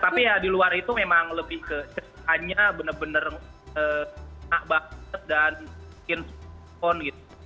tapi ya di luar itu memang lebih ke ceritanya bener bener enak banget dan bikin spon gitu